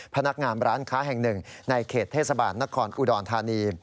พนักงานร้านค้าแห่งหนึ่งในเขตเทศบาลนครอุดรธานี